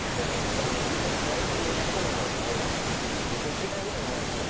家でフライパンで焼くのなんてもうできないぐらいうまいですよ。